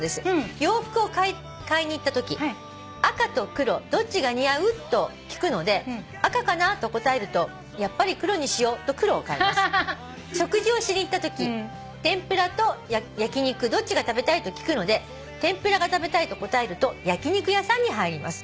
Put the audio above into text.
「洋服を買いに行ったとき『赤と黒どっちが似合う？』と聞くので『赤かな』と答えると『やっぱり黒にしよう』と黒を買います」「食事をしに行ったとき『天ぷらと焼き肉どっちが食べたい？』と聞くので『天ぷらが食べたい』と答えると焼き肉屋さんに入ります」